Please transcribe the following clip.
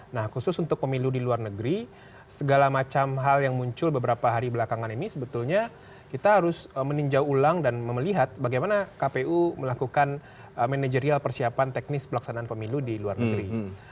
nah khusus untuk pemilu di luar negeri segala macam hal yang muncul beberapa hari belakangan ini sebetulnya kita harus meninjau ulang dan melihat bagaimana kpu melakukan manajerial persiapan teknis pelaksanaan pemilu di luar negeri